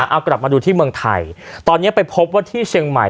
เอากลับมาดูที่เมืองไทยตอนนี้ไปพบว่าที่เชียงใหม่